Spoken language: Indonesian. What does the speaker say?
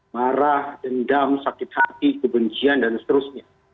marah dendam sakit hati kebencian dan seterusnya